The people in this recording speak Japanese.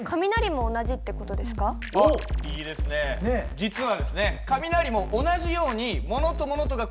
実はですね